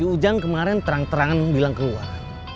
hujan kemarin terang terangan bilang keluar